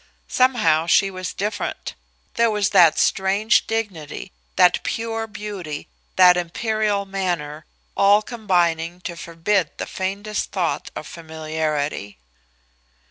Somehow she was different. There was that strange dignity, that pure beauty, that imperial manner, all combining to forbid the faintest thought of familiarity.